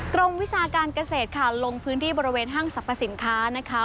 วิชาการเกษตรค่ะลงพื้นที่บริเวณห้างสรรพสินค้านะคะ